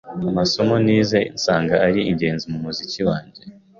amasomo nize nsanga ari ingezi mu muziki wange